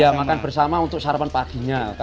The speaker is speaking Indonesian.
ya makan bersama untuk sarapan paginya